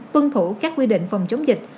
tuân thủ các quy định phòng chống dịch